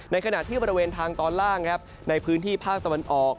ขณะที่บริเวณทางตอนล่างครับในพื้นที่ภาคตะวันออก